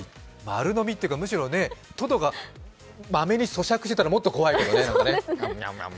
丸飲みっていうか、むしろとどがまめにそしゃくしていたらもっと怖いけどね。